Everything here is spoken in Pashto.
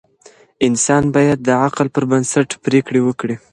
انسان باید د عقل پر بنسټ پریکړې وکړي.